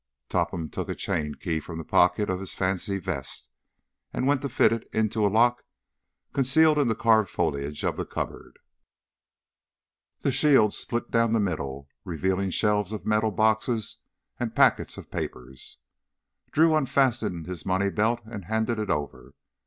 Topham took a chained key from the pocket of his fancy vest and went to fit it into a lock concealed in the carved foliage of the cupboard. The shield split down the middle, revealing shelves of metal boxes and packets of papers. Drew unfastened his money belt and handed it over.